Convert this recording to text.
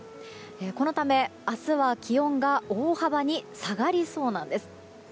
このため明日は気温が大幅に下がりそうなんです。